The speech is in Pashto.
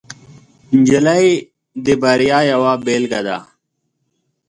نجلۍ د بریا یوه بیلګه ده.